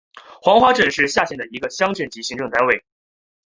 黄花镇是下辖的一个乡镇级行政单位。